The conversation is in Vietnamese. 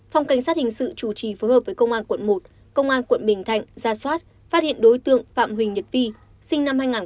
phòng cảnh sát hình sự chủ trì phối hợp với công an quận một công an quận bình thạnh ra soát phát hiện đối tượng phạm huỳnh nhật vi sinh năm hai nghìn ba quê tỉnh tiền giang